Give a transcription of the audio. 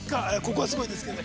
ここはすごいですけど。